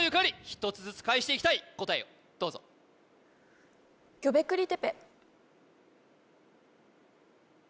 一つずつ返していきたい答えをどうぞギョベクリ・テペ